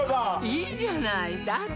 いいじゃないだって